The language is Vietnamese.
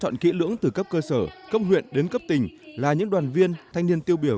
những từ cấp cơ sở cấp huyện đến cấp tình là những đoàn viên thanh niên tiêu biểu